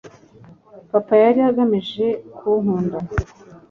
papa yari agamije kunkunda